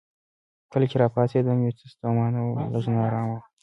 کله چې راپاڅېدم یو څه ستومانه وم، لږ نا ارامه وم.